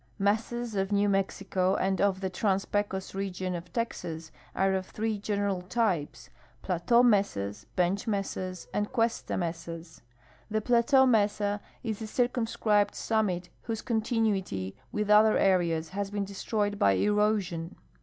Mesas of New Mexico and of the Trans Pecos region of Texas are of three general t3'pes : plateau mesas, bench mesas, and cuesta mesas. The plateau mesa is a circumscribed summit whose continuity with other areas has been destroyed by erosion.